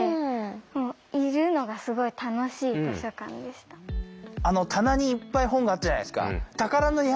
しかも何か最初あの棚にいっぱい本があったじゃないですか。